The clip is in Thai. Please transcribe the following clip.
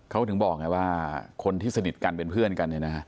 เขาถึงบอกไงว่าคนที่สนิทกันเป็นเพื่อนกัน